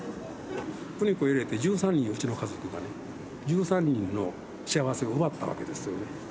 邦子入れて１３人、うちの家族はね、１３人の幸せを奪ったわけですよね。